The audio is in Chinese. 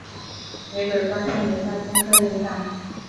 也给观众留下深刻影象。